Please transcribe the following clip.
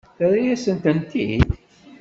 Terra-yasent-tent-id?